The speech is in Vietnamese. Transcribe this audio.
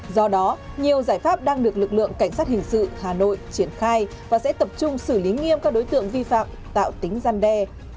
do đó nhiều giải pháp đang được lực lượng cảnh sát hình sự hà nội triển khai và sẽ tập trung xử lý nghiêm các đối tượng vi phạm tạo tính gian đe